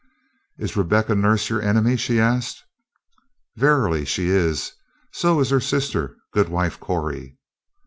"Is Rebecca Nurse your enemy?" she asked. "Verily, she is; so is her sister Goodwife Corey."